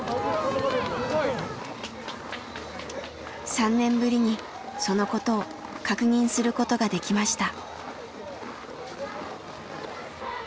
３年ぶりにそのことを確認することができました。